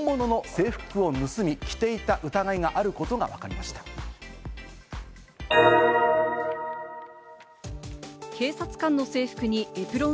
親族の警察官から本物の制服を盗み、着ていた疑いがあることがわかりました。